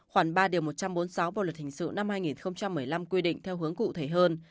khoảng ba điều một trăm bốn mươi sáu bộ luật hình sự năm hai nghìn một mươi năm quy định theo hướng cụ thể hơn